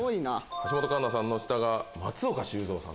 橋本環奈さんの下が松岡修造さん。